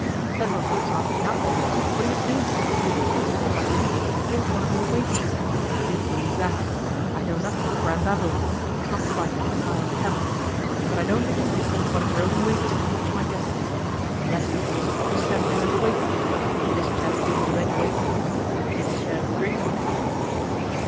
Several fellows asked me afterwards what he was doing there. I was told by someone that he was one of your waiters, but I didn't believe that. I know nothing of the Grand Babylon; it's not quite my style of tavern, but I don't think you'd send one of your own waiters to watch my guests unless, of course, you sent him as a waiter; and this chap didn't do any waiting, though he did his share of drinking.